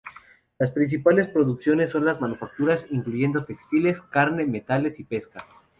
Las principales producciones son las manufacturas, incluyendo textiles, carne, metales y pesca.